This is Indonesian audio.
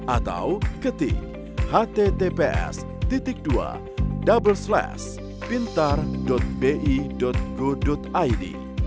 atau ketik https dua double slash pintar bi go id